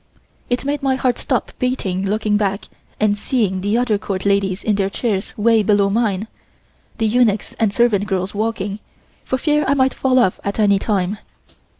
It made my heart stop beating looking back and seeing the other Court ladies in their chairs way below mine, the eunuchs and servant girls walking, for fear I might fall off at any time.